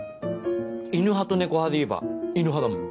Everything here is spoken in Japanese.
犬派と猫派でいえば犬派だもん。